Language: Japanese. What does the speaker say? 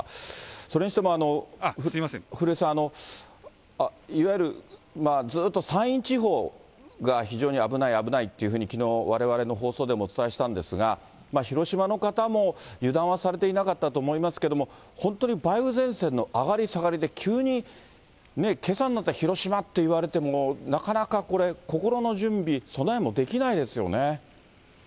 それにしても、古江さん、いわゆるずっと山陰地方が、非常に危ない、危ないというふうに、きのう、われわれの放送でもお伝えしたんですが、広島の方も油断はされていなかったと思いますけれども、本当に梅雨前線の上がり下がりで、急にね、けさになって広島っていわれても、なかなかこれ、心の準備、備えもできないですよね。